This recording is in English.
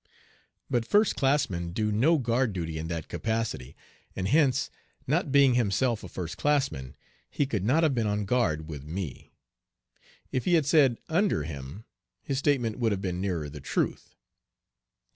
But first classmen do no guard duty in that capacity, and hence not being himself a first classman he could not have been on guard"with" me. If he had said "under him," his statement would have been nearer the truth.